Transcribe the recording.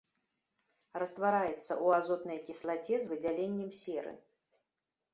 Раствараецца ў азотнай кіслаце з выдзяленнем серы.